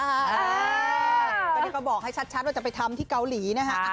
ไม่ได้มาบอกให้ชัดว่าจะไปทำที่เกาหลีนะฮะ